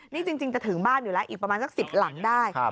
นี่จริงจะถึงบ้านอยู่แล้วอีกประมาณสัก๑๐หลังได้